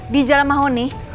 di jalan mahoni